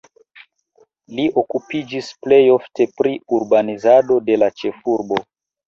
Li okupiĝis plej ofte pri urbanizado de la ĉefurbo.